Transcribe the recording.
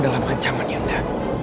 dalam ancaman yunda